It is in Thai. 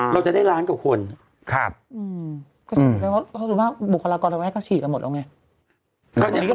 เราจะได้ล้านกว่าคน